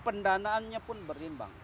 pendanaannya pun berimbang